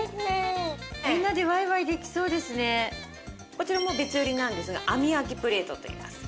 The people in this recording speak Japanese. こちらも別売りなんですが網焼きプレートといいます。